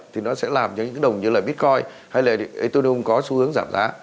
thì nó sẽ làm cho những đồng như là bitcoin hay là ethereum có xu hướng giảm giá